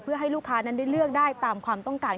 เพื่อให้ลูกค้านั้นได้เลือกได้ตามความต้องการ